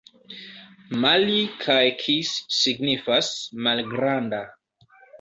Mali kaj kis signifas: malgranda.